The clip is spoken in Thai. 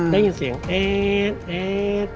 ได้ยินเสียงแอ๊ด